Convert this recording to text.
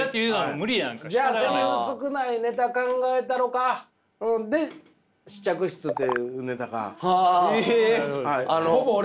じゃあセリフ少ないネタ考えたろかで「試着室」というネタが。え！